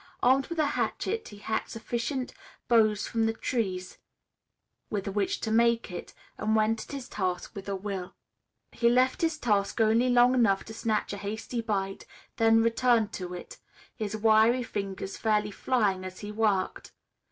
Armed with a hatchet he hacked sufficient boughs from the trees with which to make it, and went at his task with a will. He left his task only long enough to snatch a hasty bite, then returned to it, his wiry fingers fairly flying as he worked.